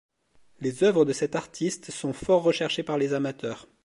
Les œuvres de cette artiste sont fort recherchées par les amateurs.